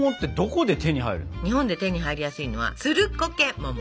日本で手に入りやすいのはツルコケモモ。